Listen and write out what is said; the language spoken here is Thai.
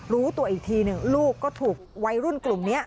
รู้ตัวอีกทีหนึ่งลูกก็ถูกวัยรุ่นกลุ่มนี้